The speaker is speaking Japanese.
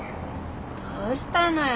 どうしたのよ